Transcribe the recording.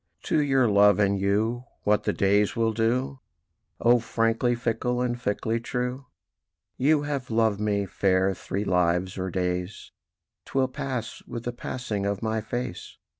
To your Love and you what the days will do, O frankly fickle, and fickly true? "You have loved me, Fair, three lives or days: 'Twill pass with the passing of my face.